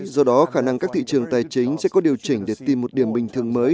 do đó khả năng các thị trường tài chính sẽ có điều chỉnh để tìm một điểm bình thường mới